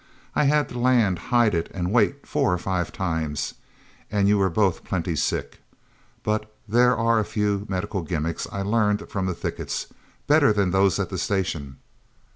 I had to land, hide it and wait, four or five times. And you were both plenty sick. But there are a few medical gimmicks I learned from the thickets better than those at the Station."